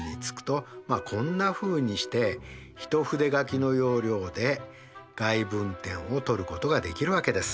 こんなふうにして一筆書きの要領で外分点を取ることができるわけです。